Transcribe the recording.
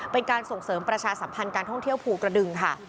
เป็นการส่งเสริมประชาสัมพันธ์การท่องเที่ยวภูกระดึงค่ะ